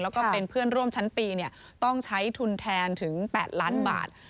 แล้วก็เป็นเพื่อนร่วมชั้นปีต้องใช้ทุนแทนถึง๘ล้านบาท